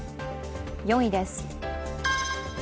４位です。